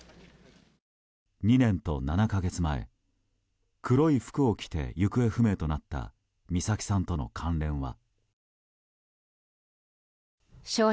２年と７か月前黒い服を着て行方不明となった美咲さんとの関連は。